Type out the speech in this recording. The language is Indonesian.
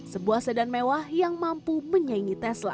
sebuah sedan mewah yang mampu menyaingi tesla